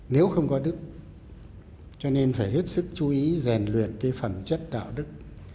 nếu không có đức cho nên phải hết sức chú ý rèn luyện cái phẩm chất đạo đức